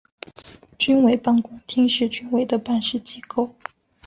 军委办公厅是军委的办事机构。